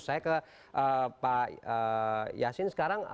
saya ke pak yasin sekarang